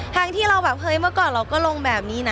แท้ที่เราเมื่อก่อนเราก็ลงแบบนี้นะ